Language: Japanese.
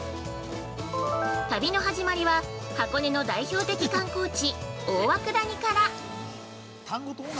旅の始まりは箱根の代表的観光地「大涌谷」から。